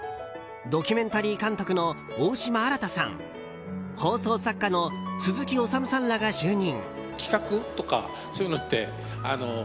ドキュメンタリー監督の大島新さん放送作家の鈴木おさむさんらが就任。